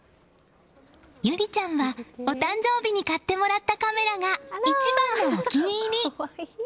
侑里ちゃんはお誕生日に買ってもらったカメラが一番のお気に入り！